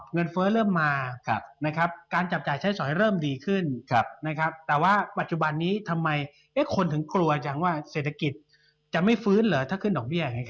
เฟ้อเริ่มมาการจับจ่ายใช้สอยเริ่มดีขึ้นนะครับแต่ว่าปัจจุบันนี้ทำไมคนถึงกลัวจังว่าเศรษฐกิจจะไม่ฟื้นเหรอถ้าขึ้นดอกเบี้ย